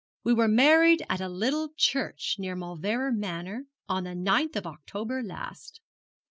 We were married at a little church near Mauleverer Manor, on the ninth of October last.